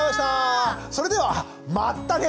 それではまったね！